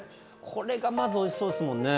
これがまずおいしそうですもんね。